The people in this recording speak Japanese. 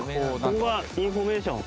ここがインフォメーション？